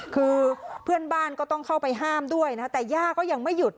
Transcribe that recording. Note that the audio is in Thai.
คือเพื่อนบ้านก็ต้องเข้าไปห้ามด้วยนะแต่ย่าก็ยังไม่หยุด